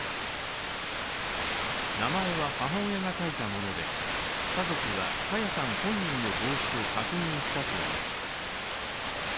名前は母親が書いたもので、家族は朝芽さん本人の帽子と確認したといいます。